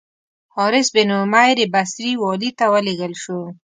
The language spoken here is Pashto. حارث بن عمیر بصري والي ته ولېږل شو.